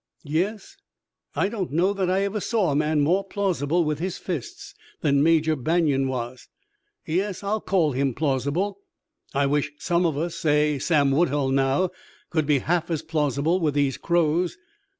"Yes? I don't know that I ever saw a man more plausible with his fists than Major Banion was. Yes, I'll call him plausible. I wish some of us say, Sam Woodhull, now could be half as plausible with these Crows.